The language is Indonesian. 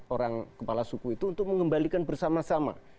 orang kepala suku itu untuk mengembalikan bersama sama